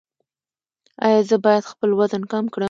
ایا زه باید خپل وزن کم کړم؟